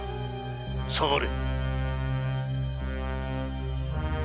下がれ！